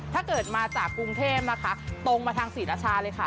ถ้าเกิดมาจากกรุงเทพนะคะตรงมาทางศรีราชาเลยค่ะ